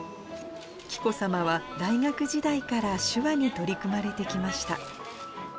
紀子さまは、大学時代から手話に取り組まれてきました。